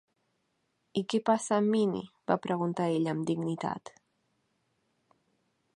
"I què passa amb Mini?" va preguntar ella amb dignitat.